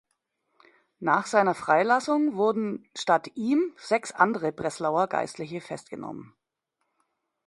Nach seiner Freilassung wurden statt ihm sechs andere Breslauer Geistliche festgenommen.